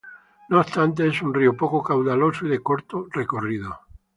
No obstante, es un río poco caudaloso y de corto recorrido.